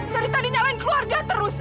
dari tadi nyalain keluarga terus